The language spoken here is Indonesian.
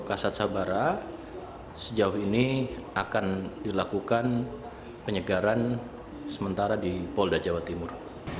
kasat sabara sejauh ini akan dilakukan penyegaran sementara di polda jawa timur